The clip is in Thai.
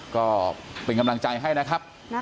ก็เป็นกำลังใจให้นะครับ